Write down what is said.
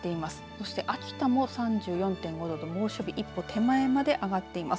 そして秋田も３４．５度と猛暑日一歩手前まで上がっています。